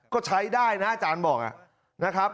ก็ใช้ได้นะอาจารย์บอกนะครับ